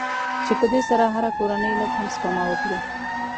چې په دې سره که هره کورنۍ لږ هم سپما وکړي.